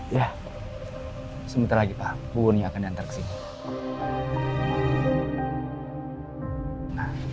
iya sementara kita pun akan dan tersebut